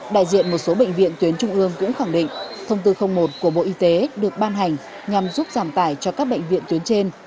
đại diện một số bệnh viện tuyến trung ương cũng khẳng định thông tư một của bộ y tế được ban hành nhằm giúp giảm tải cho các bệnh viện tuyến trên